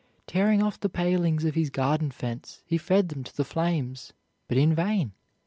Tearing off the palings of his garden fence, he fed them to the flames, but in vain.